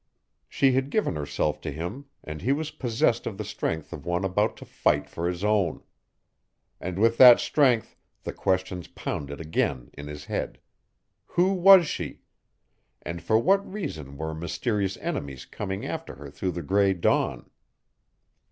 She had given herself to him and he was possessed of the strength of one about to fight for his own. And with that strength the questions pounded again in his head. Who was she? And for what reason were mysterious enemies coming after her through the gray dawn?